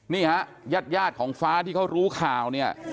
นี่ฮะญาติของฟ้าที่เขารู้ข่าวเนี่ย